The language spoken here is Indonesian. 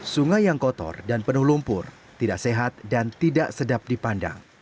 sungai yang kotor dan penuh lumpur tidak sehat dan tidak sedap dipandang